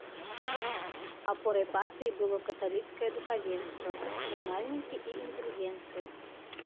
Апорай партыі было каталіцкае духавенства, прадпрымальнікі і інтэлігенцыя.